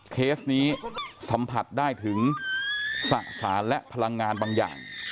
เคสนี้สัมผัสได้ถึงสะสานและพลังงานบางอย่าง